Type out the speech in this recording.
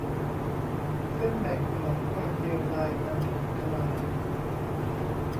เส้นแบ่งของความเดียวดายมันถูกทลาย